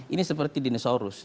ini seperti dinosaurus